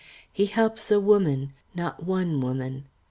He helps a woman, not one woman.